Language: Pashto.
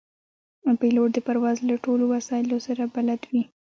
پیلوټ د پرواز له ټولو وسایلو سره بلد وي.